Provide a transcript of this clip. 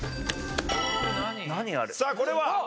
さあこれは？